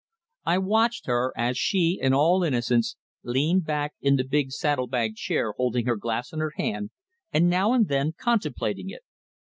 I watched her as she, in all innocence, leaned back in the big saddle bag chair holding her glass in her hand and now and then contemplating it.